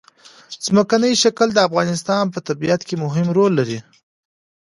ځمکنی شکل د افغانستان په طبیعت کې مهم رول لري.